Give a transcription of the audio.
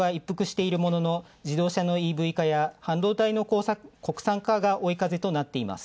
スマートフォン向けはいっぷくしているものの、自動車のＥＶかや半導体の国産化が追い風となっています。